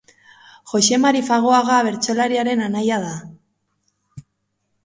Joxe Mari Fagoaga bertsolariaren anaia da.